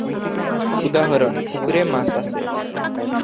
উদাহরণ:পুকুরে মাছ আছে।